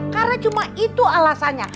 karena cuma itu alasannya